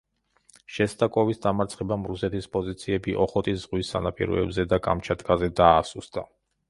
შესტაკოვის დამარცხებამ რუსეთის პოზიციები ოხოტის ზღვის სანაპიროებზე და კამჩატკაზე დაასუსტა.